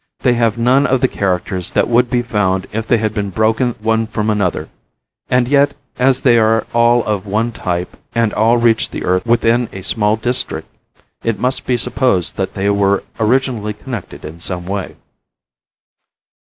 They have none of the characters that would be found if they had been broken one from another, and yet, as they are all of one type and all reached the earth within a small district, it must be supposed that they were originally connected in some way.